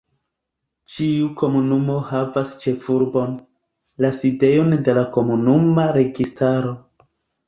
Ĉiu komunumo havas ĉefurbon, la sidejon de la komunuma registaro.